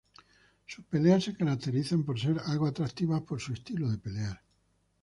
Sus peleas se caracterizan por ser algo atractivas por su estilo de pelear.